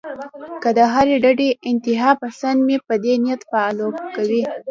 کۀ د هرې ډډې انتها پسند مې پۀ دې نيت فالو کوي